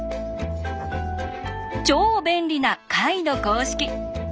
超便利な解の公式。